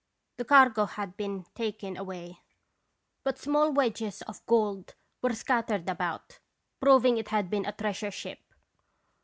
The cargo had been taken away, but small wedges of gold were scattered about, proving it had been a treasure ship.